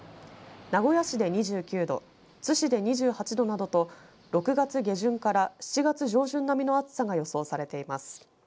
名古屋市で２９度津市で２８度などと６月下旬から７月上旬並みの暑さが予想されています。